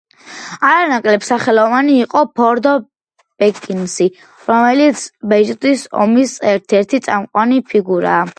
არანაკლებ სახელოვანი იყო ფროდო ბეგინსი, რომელიც ბეჭდის ომის ერთ-ერთი წამყვანი ფიგურაა.